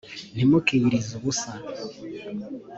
ntimukiyirize ubusa .